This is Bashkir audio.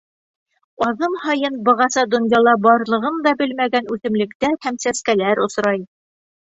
Аҙым һайын бығаса донъяла барлығын да белмәгән үҫемлектәр һәм сәскәләр осрай.